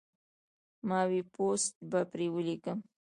ما وې پوسټ به پرې وليکم